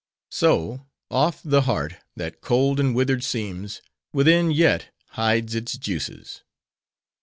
So, oft the heart, that cold and withered seems, within yet hides its juices.